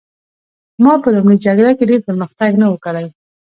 ما په لومړۍ جګړه کې ډېر پرمختګ نه و کړی